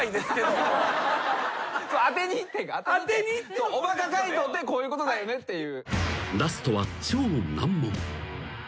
研究長。おバカ解答ってこういうことだよねっていう。